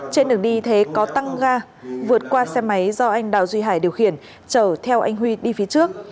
trên đường đi thế có tăng ga vượt qua xe máy do anh đào duy hải điều khiển chở theo anh huy đi phía trước